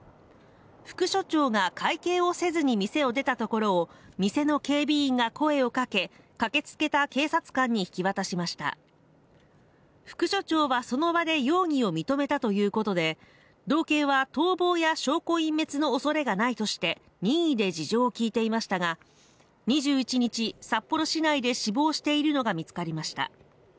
副署長が会計をせずに店を出たところ店の警備員が声をかけ駆けつけた警察官に引き渡しました副署長はその場で容疑を認めたということで道警は逃亡や証拠隠滅のおそれがないとして任意で事情を聞いていましたが２１日札幌市内で死亡しているのが見つかりました